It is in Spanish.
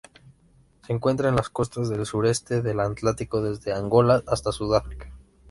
Se encuentra en las costas del sureste de la Atlántico: desde Angola hasta Sudáfrica.